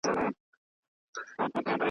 هم په اور هم په اوبو کي دي ساتمه .